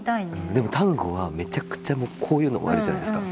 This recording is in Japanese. でもタンゴはめちゃくちゃもうこういうのがあるじゃないですか。